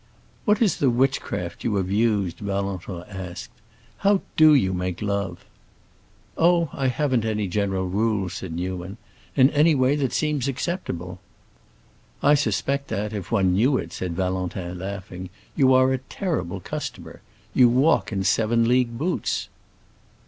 "What is the witchcraft you have used?" Valentin asked. "How do you make love?" "Oh, I haven't any general rules," said Newman. "In any way that seems acceptable." "I suspect that, if one knew it," said Valentin, laughing, "you are a terrible customer. You walk in seven league boots."